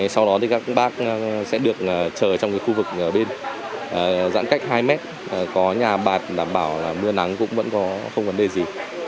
sau đó thì các bác sẽ được chờ trong khu vực bên giãn cách hai mét có nhà bạc đảm bảo là mưa nắng cũng vẫn có không vấn đề gì